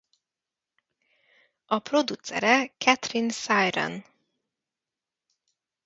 A producere Catherine Cyran.